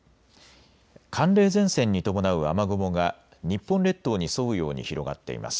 寒冷前線に伴う雨雲が日本列島に沿うように広がっています。